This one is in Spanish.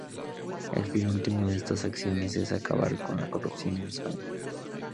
El fin último de estas acciones es acabar con la corrupción en España.